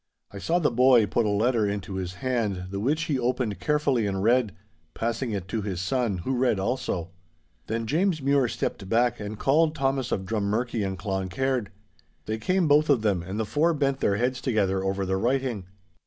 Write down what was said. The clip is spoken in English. I saw the boy put a letter into his hand, the which he opened carefully and read, passing it to his son, who read also. Then James Mure stepped back and called Thomas of Drummurchie and Cloncaird. They came both of them, and the four bent their heads together over the writing.